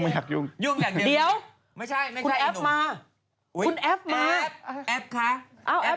ยุ่งอย่างเดียว